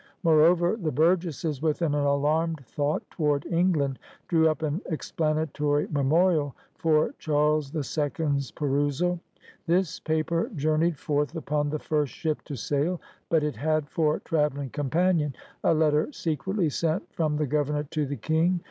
Moreover, the Burgesses, with an alarmed thought toward England, drew up an explanatory memorial for Charles II's perusal. This paper journeyed forth upon the first ship to sail, but it had for traveling companion a letter secretly sent from the Governor to the King.